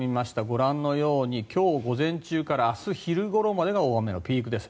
ご覧のように今日午前中から明日昼ごろまで大雨のピークです。